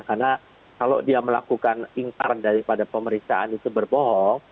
karena kalau dia melakukan ingkar daripada pemeriksaan itu berbohong